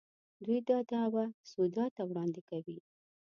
دوی دا دعوه سودا ته وړاندې کوي.